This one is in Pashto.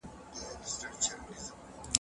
طبري په خپل تفسیر کي د دي ایت یادونه کړي ده.